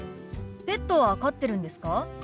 ペットは飼ってるんですか？